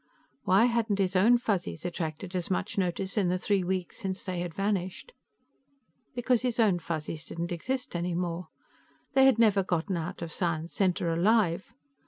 Why hadn't his own Fuzzies attracted as much notice in the three weeks since they had vanished? Because his own Fuzzies didn't exist any more. They had never gotten out of Science Center alive.